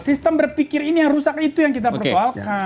sistem berpikir ini yang rusak itu yang kita persoalkan